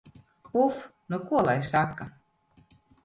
Uf, nu ko lai saka.